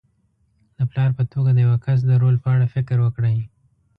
د پلار په توګه د یوه کس د رول په اړه فکر وکړئ.